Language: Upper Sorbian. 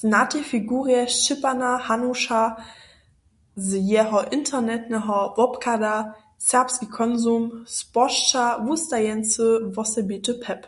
Znatej figurje Šćěpana Hanuša z jeho internetneho wobchoda SerbskiKonsum spožča wustajeńcy wosebity pep.